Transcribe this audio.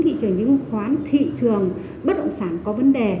thị trường những ngôn khoán thị trường bất động sản có vấn đề